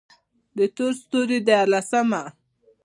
د تور ستوري ديارلسمه: